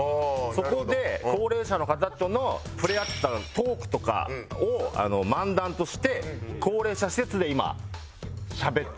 そこで高齢者の方との触れ合ったトークとかを漫談として高齢者施設で今しゃべって歩いてるという。